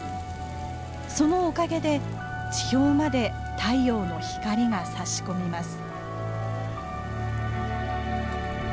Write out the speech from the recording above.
そのおかげで地表まで太陽の光がさし込みます。